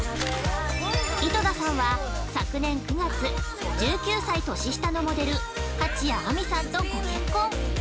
井戸田さんは、昨年９月１９歳年下のモデル蜂谷晏海さんとご結婚。